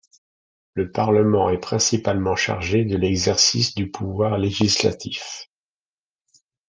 Le Parlement est principalement chargé de l'exercice du pouvoir législatif.